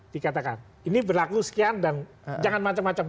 dikatakan ini berlaku sekian dan jangan macam macam